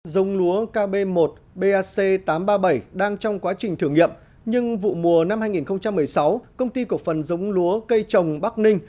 dống lúa kb một bac tám trăm ba mươi bảy đang trong quá trình thử nghiệm nhưng vụ mùa năm hai nghìn một mươi sáu công ty cổ phần giống lúa cây trồng bắc ninh